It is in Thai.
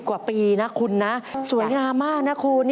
๑๐กว่าปีนะสวยงามมากนะคุณ